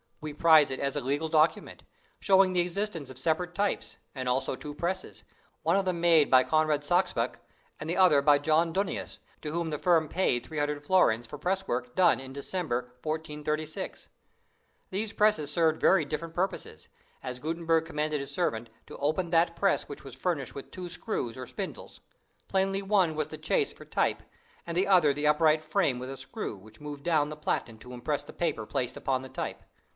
We prize it as a legal document, showing the existence of separate types, and also two presses, one of them made by Conrad Sachspach and the other by John Dunnius, to whom the firm paid three hundred florins for press work done in December, 1436. These presses served very different purposes, as Gutenberg commanded his servant to "open that press which was furnished with two screws or spindles." Plainly one was the "chase" for type, and the other the upright frame with a screw, which moved down the platen to impress the paper placed upon the type.